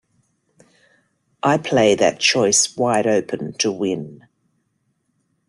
I play that choice wide open to win.